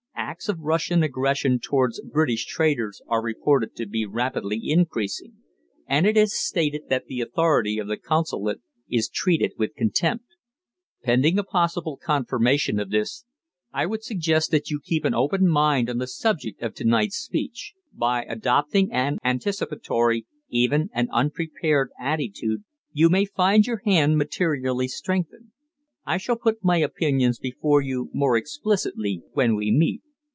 Acts of Russian aggression towards British traders are reported to be rapidly increasing, and it is stated that the authority of the Consulate is treated with contempt. Pending a possible confirmation of this, I would suggest that you keep an open mind on the subject of to night's speech. By adopting an anticipatory even an unprepared attitude you may find your hand materially strengthened. I shall put my opinions before you more explicitly when we meet.